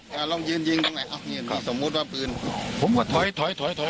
ใช่ทำสมมุติว่าบืนผมก็ถอยถอยถอยถอย